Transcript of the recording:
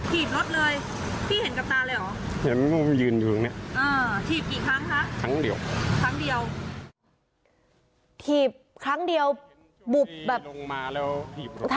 ถี่บรถเลยพี่เห็นกรรณาเลยเหรอ